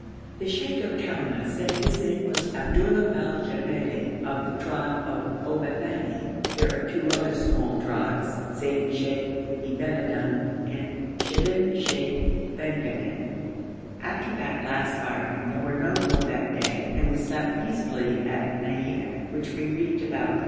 The sheikh of Kouna said his name was Abdullah bal Jabbeli, of the tribe of Obathani. There are two other small tribes, Zedin Sheikh Ebenadon, and Shibim Sheikh Bengadem. After that last firing there was no more that day, and we slept peacefully at Naïda, which we reached about 12.